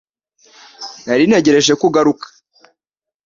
Nari ntegereje ko ugaruka